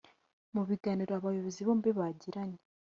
Mu biganiro abayobozi bombi bagiranye